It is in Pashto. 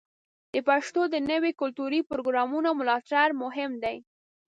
د پښتو د نویو کلتوري پروګرامونو ملاتړ مهم دی.